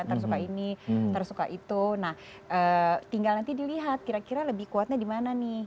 ntar suka ini ntar suka itu nah tinggal nanti dilihat kira kira lebih kuatnya dimana nih